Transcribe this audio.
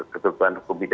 ketentuan hukum india